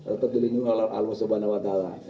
tetap dilindungi oleh allah swt